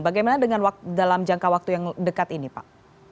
bagaimana dengan dalam jangka waktu yang dekat ini pak